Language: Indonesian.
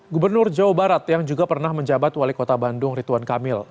gubernur jawa barat yang juga pernah menjabat wali kota bandung rituan kamil